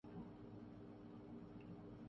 پھر دیکھیں کہ سرکاری نظام تعلیم کیسے بہتر ہوتا ہے۔